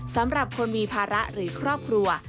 สำหรับคนมีภาระหรือครอบครัว